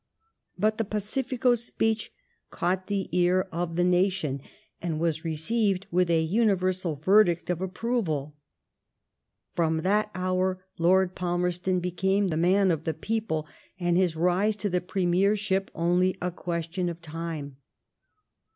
But the Pacifico speech caught the ear of the 188 LIFB OF VISCOUNT PALMEB8T0N. nation, and was received with a anivenal yerdict of approvaL From that hoar Lord Palmerston became the man of the people, and his rise to the premiership only a question of time.